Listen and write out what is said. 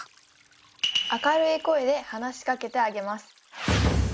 明るい声で話しかけてあげます。